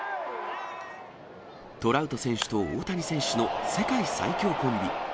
トラウト選手と大谷選手の世界最強コンビ。